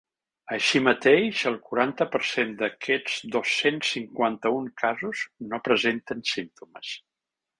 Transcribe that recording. Així mateix, el quaranta per cent d’aquests dos-cents cinquanta-un casos no presenten símptomes.